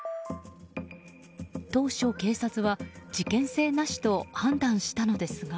当初、警察は事件性なしと判断したのですが